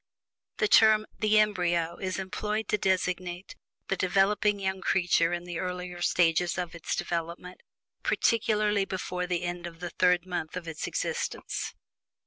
The term "the embryo" is employed to designate the developing young creature in the earlier stages of its development, particularly before the end of the third month of its existence.